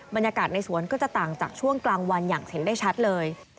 บรรยากาศในสวนก็จะต่างจากช่วงกลางวันอย่างเห็นได้ชัดเลย